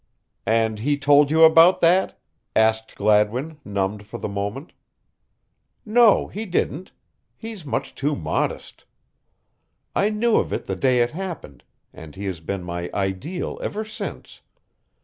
"And he told you about that?" asked Gladwin, numbed for the moment. "No, he didn't. He's much too modest. I knew of it the day it happened, and he has been my ideal ever since.